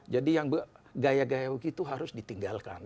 jadi yang gaya gaya begitu harus ditinggalkan